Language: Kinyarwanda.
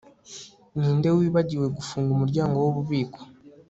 Ninde wibagiwe gufunga umuryango wububiko